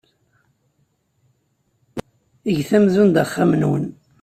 Get amzun d axxam-nwen.